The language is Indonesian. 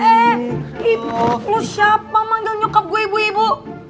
eh ibu lu siapa manggil nyokap gue ibu ibu